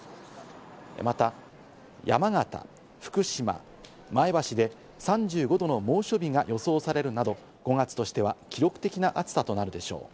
また山形、福島、前橋で３５度の猛暑日が予想されるなど、５月としては記録的な暑さとなるでしょう。